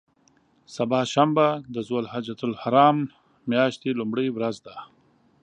سبا شنبه د ذوالحجة الحرام میاشتې لومړۍ ورځ ده.